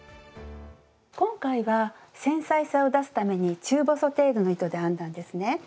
今回は繊細さを出すために中細程度の糸で編んだんですね。